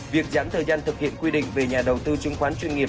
việc giãn thời gian thực hiện quy định về nhà đầu tư chứng khoán chuyên nghiệp